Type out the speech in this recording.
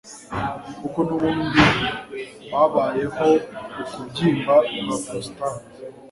kuko n'ubundi habayeho ukubyimba kwa prostate